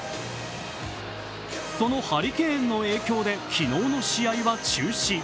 そのハリケーンの影響で昨日の試合は中止。